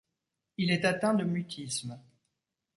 Il est atteint de mutisme.